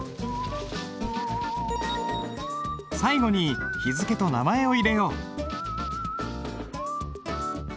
最後に日付と名前を入れよう。